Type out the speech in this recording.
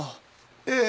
ええ。